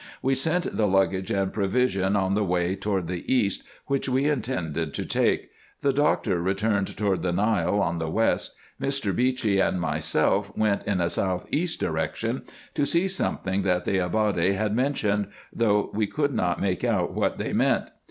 We sent the luggage and provision on the way toward the east, which we intended to take ; the doctor returned toward the Nile on the west ; Mr. Beechey and myself went in a south east direction, to see something that the Ababde mentioned, rr2 308 RESEARCHES AND OPERATIONS though we could not make out what they meant.